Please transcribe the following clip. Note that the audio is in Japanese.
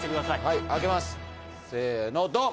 はい開けますせのドン！